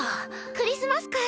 クリスマス会